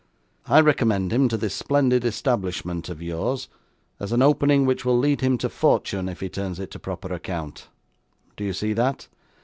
'I recommend him to this splendid establishment of yours, as an opening which will lead him to fortune if he turns it to proper account. Do you see that?